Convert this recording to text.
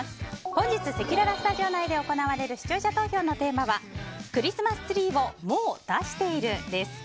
本日せきららスタジオ内で行われる視聴者投票のテーマはクリスマスツリーをもう出しているです。